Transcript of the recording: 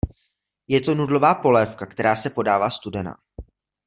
Je to nudlová polévka, která se podává studená.